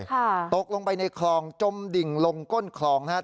ตกลงไปในคลองจมดิ่งลงก้นคลองนะครับ